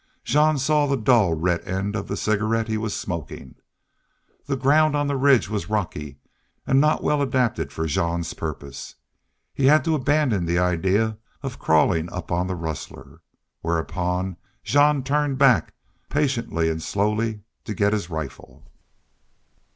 Jean saw the dull red end of the cigarette he was smoking. The ground on the ridge top was rocky and not well adapted for Jean's purpose. He had to abandon the idea of crawling up on the rustler. Whereupon, Jean turned back, patiently and slowly, to get his rifle.